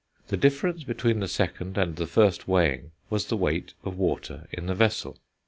The difference between the second and the first weighing was the weight of water in the vessel.